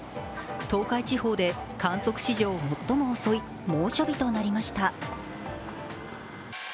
東海地方で観測史上最も遅い猛暑日となりました。